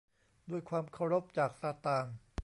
ด้วยความเคารพ จากซาตาน